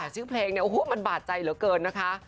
ชื่อเพลงมันบาดใจเหลือเกินนะคะ